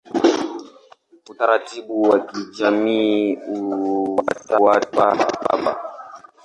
Utaratibu wa kijamii hufuata baba.